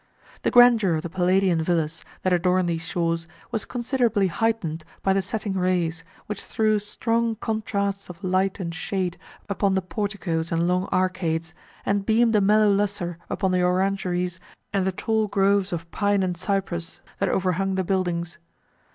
The grandeur of the Palladian villas, that adorn these shores, was considerably heightened by the setting rays, which threw strong contrasts of light and shade upon the porticos and long arcades, and beamed a mellow lustre upon the orangeries and the tall groves of pine and cypress, that overhung the buildings.